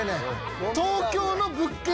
東京の物件